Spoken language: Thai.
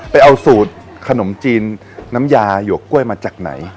ไปเอาสูตรขนมจีนน้ำยาหยวกกล้วยมาจากไหน